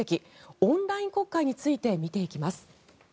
オンライン国会について見ていきます。